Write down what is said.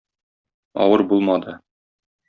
Авыр булмады.